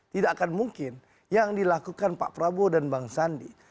tidak akan mungkin yang dilakukan pak prabowo dan bang sandi